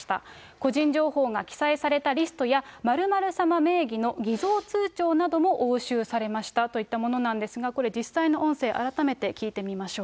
個人情報が記載されたリストや、○○様名義の偽造通帳なども押収されましたといったものなんですが、これ、実際の音声、改めて聞いてみましょう。